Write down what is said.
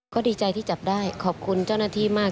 ก็ดีใจที่จับได้ขอบคุณเจ้าหน้าที่มาก